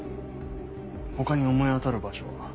他に思い当たる場所は？